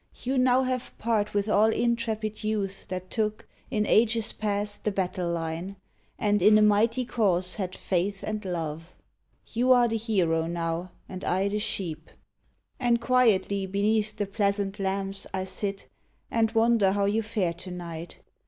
You now have part with all intrepid youth That took, in ages past, the battle line, And in a mighty Cause had faith and love. You are the hero now, and I the sheep ! And quietly beneath the pleasant lamps HENRI I sit, and wonder how you fare to night.